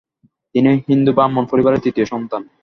তিনি হিন্দু ব্রাহ্মণ পরিবারের তৃতীয় সন্তান।